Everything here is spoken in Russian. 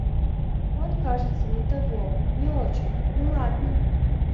Он, кажется, не того… не очень… Ну ладно!